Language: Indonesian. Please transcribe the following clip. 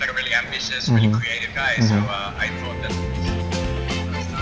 jadi aku pikir